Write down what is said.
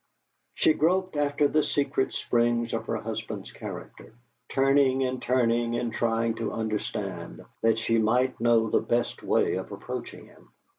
She groped after the secret springs of her husband's character, turning and turning and trying to understand, that she might know the best way of approaching him.